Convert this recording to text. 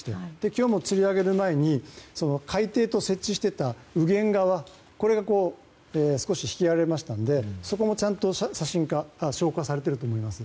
今日もつり上げる前に海底と設置していた右舷側が少し引き揚げましたのでそこもちゃんと証拠はされていると思います。